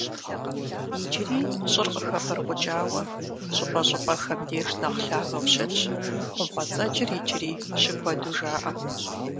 Иджыри щӀыр къыхэбыргъукӀауэ, щӀыпӀэщӀыпӀэхэм деж нэхъ лъагэу щытщ, хъумпӀэцӀэджыр иджыри щыкуэду жаӀэ.